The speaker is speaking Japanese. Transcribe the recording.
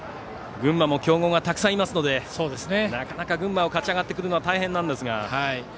群馬も強豪がたくさんいますので群馬を勝ち上がってくるのは大変なんですが。